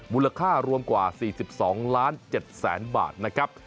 มูลค่ารวมกว่า๔๒ล้าน๗แสนบาทนะครับ